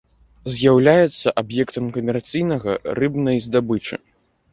З'яўляюцца аб'ектам камерцыйнага рыбнай здабычы.